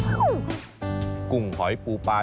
แม่เล็กครับ